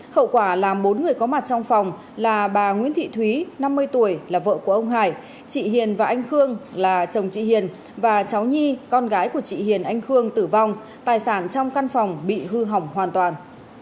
hậu quả làm bốn người có mặt trong phòng là bà nguyễn thị thúy năm mươi tuổi là vợ của ông hải chị hiền và anh khương là chồng chị hiền và cháu nhi con gái của chị hiền anh khương tử vong tài sản trong căn phòng bị hư hỏng hoàn toàn